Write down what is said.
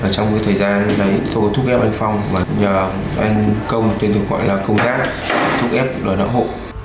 trong thời gian lấy thuốc ép anh phong và nhờ anh công tên tôi gọi là công giác thuốc ép đòi đạo hộ